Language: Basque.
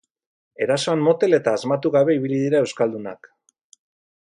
Erasoan motel eta asmatu gabe ibili dira euskaldunak.